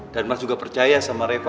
dan mas juga percaya sama reva